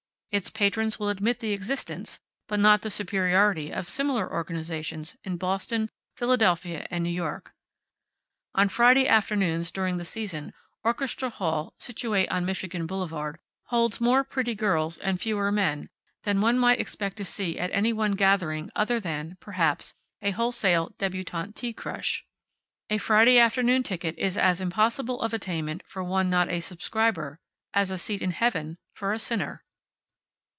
Its patrons will admit the existence, but not the superiority of similar organizations in Boston, Philadelphia and New York. On Friday afternoons, during the season, Orchestra Hall, situate on Michigan Boulevard, holds more pretty girls and fewer men than one might expect to see at any one gathering other than, perhaps, a wholesale debutante tea crush. A Friday afternoon ticket is as impossible of attainment for one not a subscriber as a seat in heaven for a sinner.